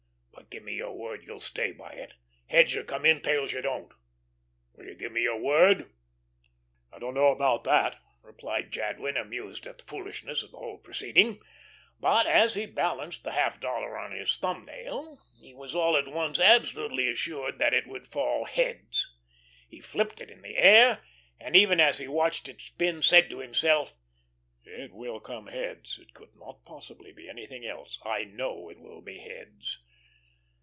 But give me your word you'll stay by it. Heads you come in; tails you don't. Will you give me your word?" "Oh, I don't know about that," replied Jadwin, amused at the foolishness of the whole proceeding. But as he balanced the half dollar on his thumb nail, he was all at once absolutely assured that it would fall heads. He flipped it in the air, and even as he watched it spin, said to himself, "It will come heads. It could not possibly be anything else. I know it will be heads."